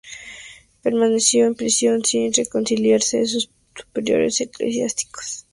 Permaneció en prisión sin reconciliarse con sus superiores eclesiásticos.